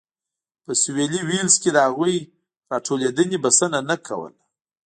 په سوېلي ویلز کې د هغوی راټولېدنې بسنه نه کوله.